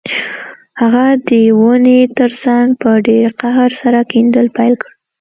هغه د ونې ترڅنګ په ډیر قهر سره کیندل پیل کړل